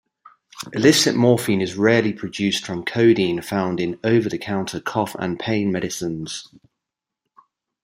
Illicit morphine is rarely produced from codeine found in over-the-counter cough and pain medicines.